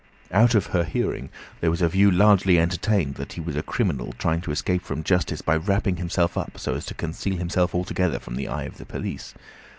Out of her hearing there was a view largely entertained that he was a criminal trying to escape from justice by wrapping himself up so as to conceal himself altogether from the eye of the police.